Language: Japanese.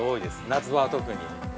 夏場は特に。